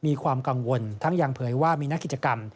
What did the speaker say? มีความกังวลทั้งยังเผยว่ามีนักกิจกรรม